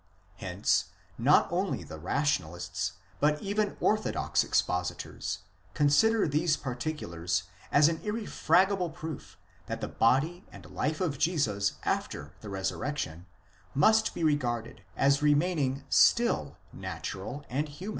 Hence not only the rationalists, but even orthodox expositors, consider these particulars as an irrefragable proof that the body and life of Jesus after the resurrection must be regarded as remaining still natural and human.